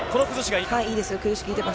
いいですよ。